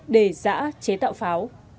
để giã chế tạo pháo